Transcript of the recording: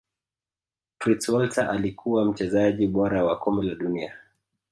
fritz walter alikuwa mchezaji bora wa kombe la dunia